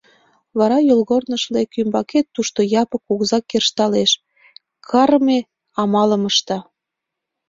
Вара йолгорныш лек, ӱмбакет тушто Япык кугыза кержалтеш, кырыме амалым ышта...